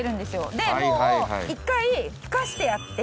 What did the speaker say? でもう１回ふかしてあって。